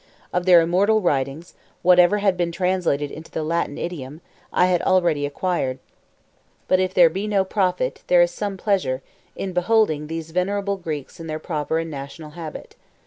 Of their immortal writings, whatever had been translated into the Latin idiom, I had already acquired; but, if there be no profit, there is some pleasure, in beholding these venerable Greeks in their proper and national habit.